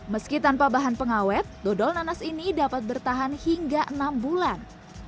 meski tanpa bahan pengawet dodol nanas ini dapat bertahan hingga enam bulan